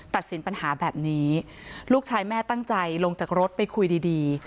ตัดสินปัญหาแบบนี้ลูกชายแม่ตั้งใจลงจากรถไปคุยดีดี